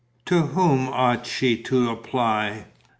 To whom ought she to apply?